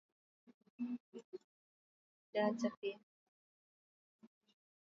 MijaBhakangohawa wanafanya kitu kinaitwa bhukango Mila hizi zinahusu wazazi na watoto wa